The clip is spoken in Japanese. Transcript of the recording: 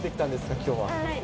きょうは。